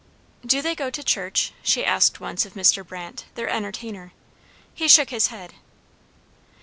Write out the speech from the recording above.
"Do they go to church?" she asked once of Mr. Brandt, their entertainer. He shook his head.